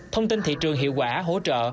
thông tin thị trường hiệu quả hỗ trợ